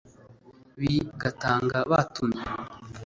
b i gatanga batumye